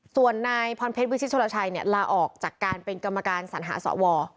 ส่วนนายพลเพชรวิศิษฐ์ชัวราชัยเนี่ยลาออกจากการเป็นกรรมการสรรหาศว